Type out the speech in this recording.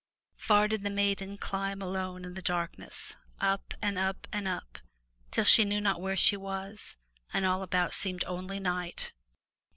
Far did the maiden climb alone in the darkness, up and up and up, till she knew not where she was, and all about seemed only night.